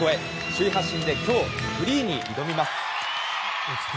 首位発進で今日、フリーに挑みます。